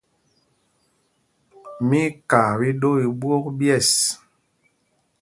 Mí í kaa iɗoo i ɓwôk ɓyɛ̂ɛs.